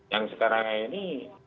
yang sekarang ini